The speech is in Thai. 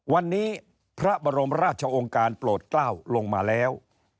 วันนี้พระบรมราชองค์การโปรดกล้าวลงมาแล้ว